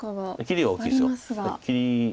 切りは大きいです。